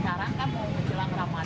sekarang kan mau jelang ramadan